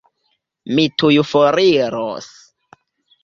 Mi tuj foriros.